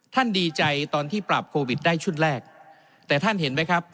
ดีใจตอนที่ปรับโควิดได้ชุดแรกแต่ท่านเห็นไหมครับ